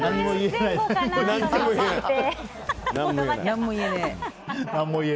何も言えねえ。